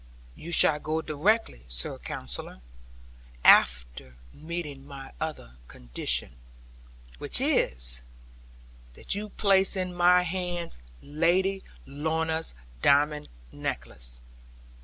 'You shall go directly, Sir Counsellor, after meeting my other condition; which is, that you place in my hands Lady Lorna's diamond necklace.'